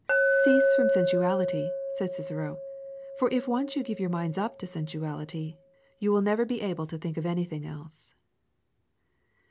Cease from sensuality, said Cicero, for if once you give your minds up to sensuality, you will never be able to think of anything else.